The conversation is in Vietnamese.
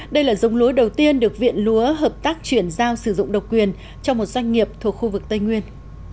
đây là giống lúa đầu tiên được viện lúa hợp tác chuyển giao sử dụng độc quyền cho một doanh nghiệp thuộc khu vực tây nguyên